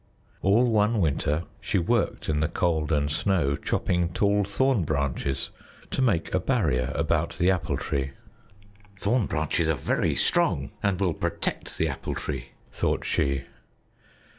All one winter she worked in the cold and snow, chopping tall thorn branches to make a barrier about the Apple Tree. "Thorn branches are very strong, and will protect the Apple Tree," thought she.